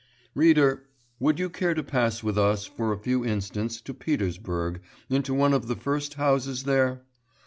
Reader, would you care to pass with us for a few instants to Petersburg into one of the first houses there?